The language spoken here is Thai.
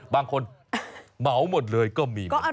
บางคนเหมาหมดเลยก็มีเหมือนกัน